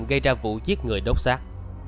gây ra vụ giết người đốt xác